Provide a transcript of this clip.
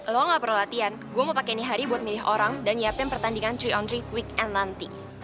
lo gak perlu latihan gue mau pakai ini hari buat milih orang dan nyiapin pertandingan tiga on tiga weekend nanti